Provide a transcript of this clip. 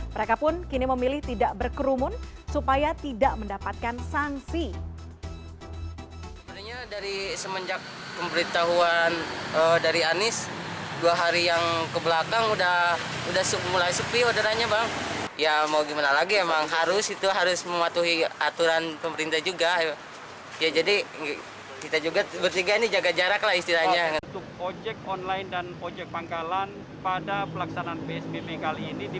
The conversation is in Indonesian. mereka pun kini memilih tidak berkerumun supaya tidak mendapatkan sanksi